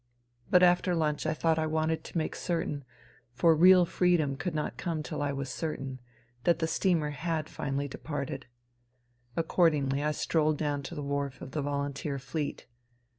But after lunch I thought I wanted to make certain — for real freedom could not come till I was certain — ^that the steamer had finally departed. Accordingly I strolled down to the wharf of the Volunteer Fleet.